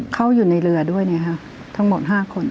เข้าอยู่ในเรือด้วยนะครับทั้งหมด๕คน